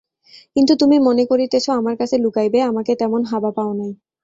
কিন্তু তুমি মনে করিতেছ আমার কাছে লুকাইবে–আমাকে তেমন হাবা পাও নাই।